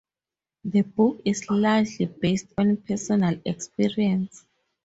The book is largely based on personal experience.